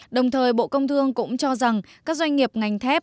đồng thời bộ công thương cũng cho rằng các doanh nghiệp ngành thép